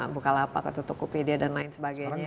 bukalapak atau tokopedia dan lain sebagainya